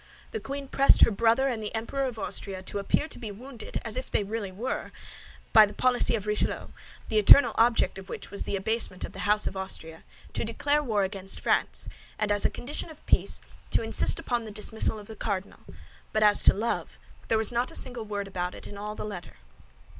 The queen pressed her brother and the Emperor of Austria to appear to be wounded, as they really were, by the policy of Richelieu—the eternal object of which was the abasement of the house of Austria—to declare war against France, and as a condition of peace, to insist upon the dismissal of the cardinal; but as to love, there was not a single word about it in all the letter.